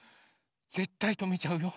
ぜったいとめちゃうよ。